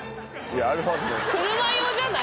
「車用じゃない？